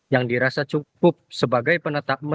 yang dirasa cukup sebagai penetapan